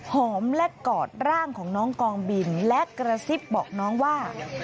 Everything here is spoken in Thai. หอมและกอดร่างของน้องกองบินและกระซิบบอกน้องว่า